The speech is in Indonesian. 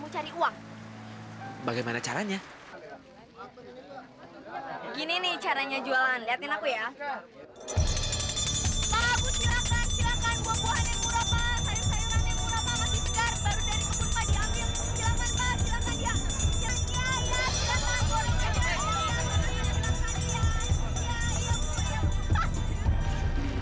jangan berani berani nyentuh aku